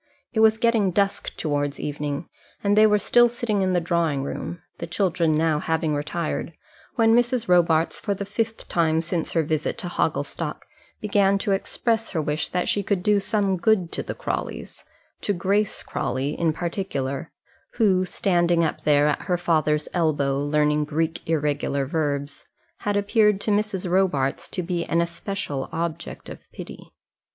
It was getting dusk towards evening, and they were still sitting in the drawing room, the children now having retired, when Mrs. Robarts for the fifth time since her visit to Hogglestock began to express her wish that she could do some good to the Crawleys, to Grace Crawley in particular, who, standing up there at her father's elbow, learning Greek irregular verbs, had appeared to Mrs. Robarts to be an especial object of pity.